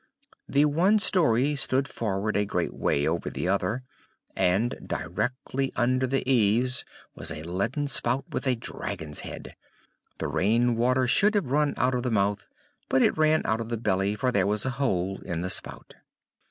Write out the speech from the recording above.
The one story stood forward a great way over the other; and directly under the eaves was a leaden spout with a dragon's head; the rain water should have run out of the mouth, but it ran out of the belly, for there was a hole in the spout.